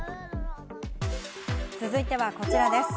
続いてはこちらです。